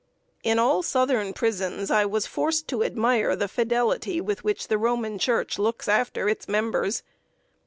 In all southern prisons I was forced to admire the fidelity with which the Roman Church looks after its members.